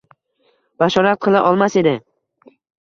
bashorat qila olmas edi.